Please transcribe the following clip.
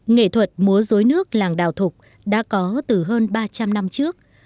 nghệ thuật múa dối nước làng đào thục đã có từ hơn ba trăm linh năm trước